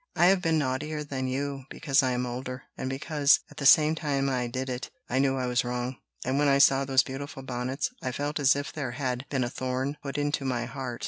I have been naughtier than you, because I am older, and because, at the time I did it, I knew I was wrong; and when I saw those beautiful bonnets, I felt as if there had been a thorn put into my heart."